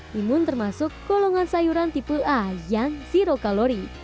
timun termasuk golongan sayuran tipe a yang zero kalori